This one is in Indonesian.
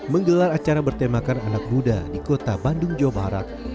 menggelar acara bertemakan anak muda di kota bandung jawa barat